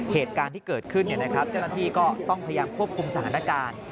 เหตุการณ์ที่เกิดขึ้นเจ้าหน้าที่ก็ต้องพยายามควบคุมสถานการณ์